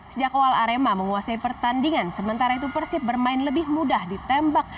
sejak awal arema menguasai pertandingan sementara itu persib bermain lebih mudah ditembak